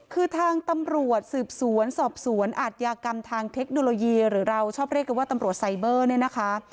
คือทางตำรวจสืบสวนสอบสวนอาทยากรรมทางเทคโนโลยีหรือเราชอบเรียกกันว่าตำรวจไซเบอร์เนี่ยนะคะ